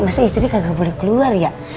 masa istri gak boleh keluar ya